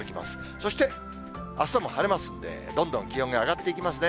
そして、あしたも晴れますんで、どんどん気温が上がっていきますね。